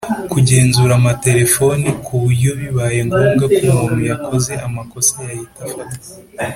kugenzura amaterefoni ku buryo bibaye ngombwa ko umuntu yakoze amakosa yahita afatwa